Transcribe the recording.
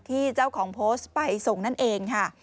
เจ้าของโพสต์ไปส่งนั่นเองค่ะ